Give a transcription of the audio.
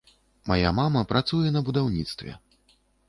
Мая мама працуе на будаўніцтве.